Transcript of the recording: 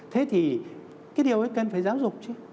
thế thì cái điều ấy cần phải giáo dục chứ